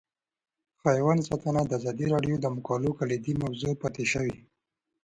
حیوان ساتنه د ازادي راډیو د مقالو کلیدي موضوع پاتې شوی.